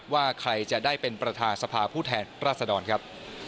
ว่าใครจะได้เป็นประธานสภาผู้แทนราษดรครับ